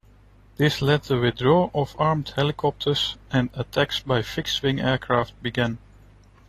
This led the withdrawal of armed helicopters and attacks by fixed-wing aircraft began.